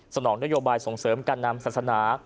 นองนโยบายส่งเสริมการนำศาสนา